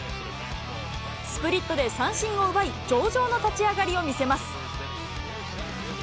スプリットで三振を奪い、上々な立ち上がりを見せます。